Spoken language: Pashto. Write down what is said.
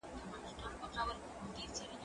زدکړه د زده کوونکي له خوا کيږي